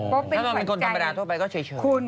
ถ้าเราเป็นคนธรรมดาทั่วไปก็เฉย